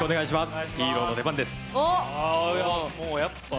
ヒーローの出番です。